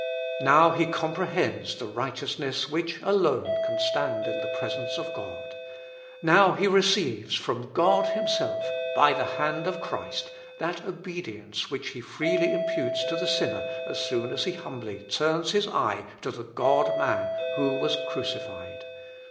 Now he comprehends the righteousness which alone can stand in the presence of God; now he receives from God himself, by the hand of Christ, that obedience which he freely imputes to the sinner as soon as he humbly turns his eye to the God Man who was crucified.